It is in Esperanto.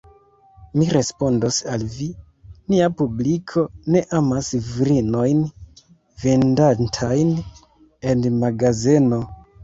Mi respondos al vi: nia publiko ne amas virinojn vendantajn en magazeno.